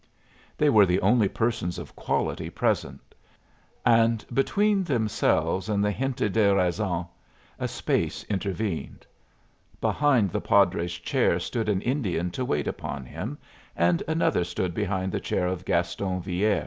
They were the only persons of quality present; and between themselves and the gente de razon a space intervened. Behind the padre's chair stood an Indian to wait upon him, and another stood behind the chair of Gaston Villere.